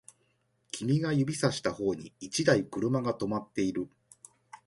君が指差した方に一台車が止まっている